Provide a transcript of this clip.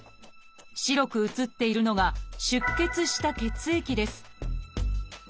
白く写っているのが出血した血液です